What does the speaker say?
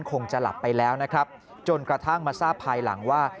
คงจะหลับไปแล้วนะครับจนกระทั่งมาทราบภายหลังว่า